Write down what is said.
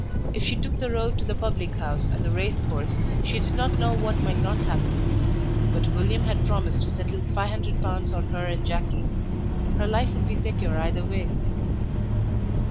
If she took the road to the public house and the race course she did not know what might not happen. But William had promised to settle £500 on her and Jackie. Her life would be secure either way.